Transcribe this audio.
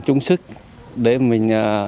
chung sức để mình